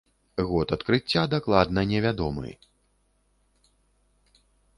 Год адкрыцця дакладна не вядомы.